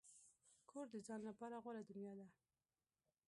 کور د ځان لپاره غوره دنیا ده.